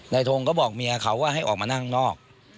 ทงก็บอกเมียเขาว่าให้ออกมานั่งข้างนอก